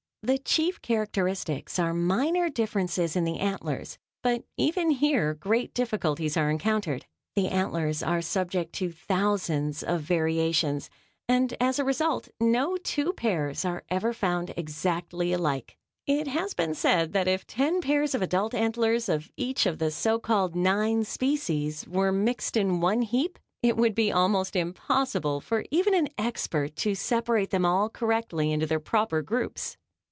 The chief characteristics are minor differences in the antlers, but even here great difficulties are encountered. The antlers are subject to thousands of variations, and as a result no two pairs ever are found exactly alike. It has been said that if ten pairs of adult antlers of each of the so called nine species were mixed in one heap, it would be almost impossible for even an expert to separate them all correctly into their proper groups.